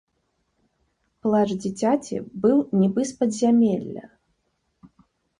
Плач дзіцяці быў нібы з падзямелля.